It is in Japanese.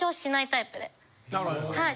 はい。